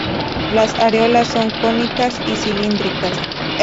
Las areolas son cónicas y cilíndricas.